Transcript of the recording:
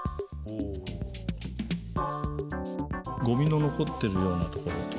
ごみの残ってるようなところ。